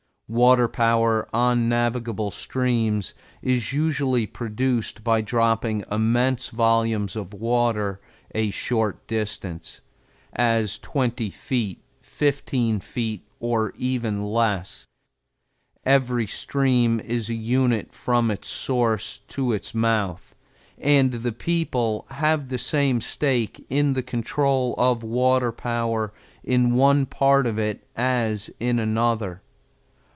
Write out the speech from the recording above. Water power on navigable streams is usually produced by dropping immense volumes of water a short distance, as twenty feet, fifteen feet, or even less. Every stream is a unit from its source to its mouth, and the people have the same stake in the control of water power in one part of it as in another.